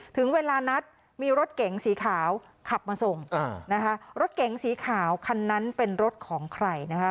ถึงเวลานัดมีรถเก๋งสีขาวขับมาส่งนะคะรถเก๋งสีขาวคันนั้นเป็นรถของใครนะคะ